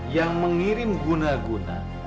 yang mengirim guna guna